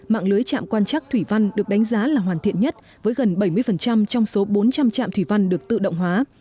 mạng lưới chạm quan chắc thủy văn được đánh giá là hoàn thiện nhất với gần bảy mươi trong số bốn trăm linh trạm thủy văn được tự động hóa